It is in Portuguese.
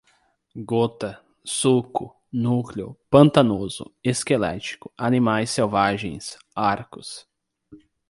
gota, suco, núcleo, pantanoso, esquelético, animais selvagens, arcos